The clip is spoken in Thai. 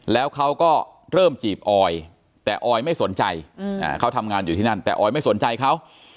แล้วเขาก็เริ่มจีบอยแต่ออยไม่สนใจเขาทำงานอยู่ที่นั่นแต่ออยไม่สนใจเขา